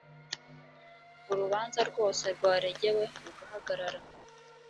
urubanza rwose rwaregewe rugahagarara